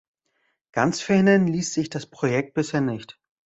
Ganz verhindern ließ sich das Projekt bisher nicht.